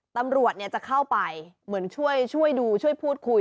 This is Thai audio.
ตำรวจจะเข้าไปเหมือนช่วยดูช่วยพูดคุย